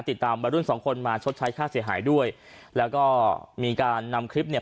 ติดตามวัยรุ่นสองคนมาชดใช้ค่าเสียหายด้วยแล้วก็มีการนำคลิปเนี่ย